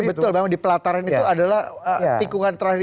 jadi betul bang di pelataran itu adalah tikungan terakhir